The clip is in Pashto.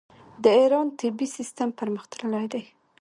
د ایران طبي سیستم پرمختللی دی.